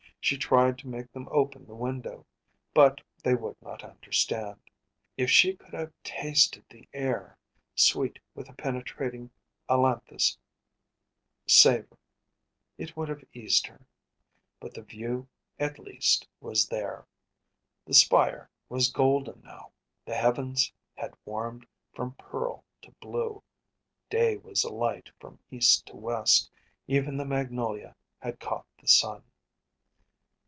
She tried to make them open the window, but they would not understand. If she could have tasted the air, sweet with the penetrating ailanthus savor, it would have eased her; but the view at least was there the spire was golden now, the heavens had warmed from pearl to blue, day was alight from east to west, even the magnolia had caught the sun.